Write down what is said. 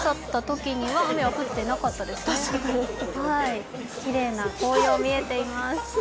きれいな紅葉が見えています。